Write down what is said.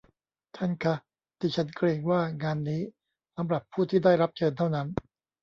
ท่านคะ ดิฉันเกรงว่างานนี้สำหรับผู้ที่ได้รับเชิญเท่านั้น